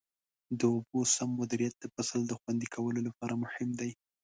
د اوبو سم مدیریت د فصل د خوندي کولو لپاره مهم دی.